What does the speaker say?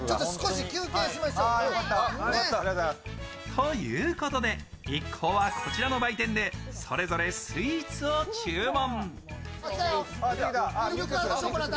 ということで、一行はこちらの売店でそれぞれスイーツを注文。